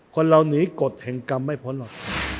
คนเราหนีกฎแห่งกรรมไม่พ้นหรอก